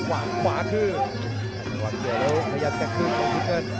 วางขวาคือวางเกี่ยวแล้วพยายามแต่คืนของทุกคน